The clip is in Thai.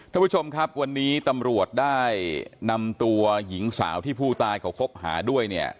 ท่านผู้ชมครับวันนี้ตำรวจได้นำตัวหญิงสาวที่ผู้ตายเขาคบหาด้วยเนี่ย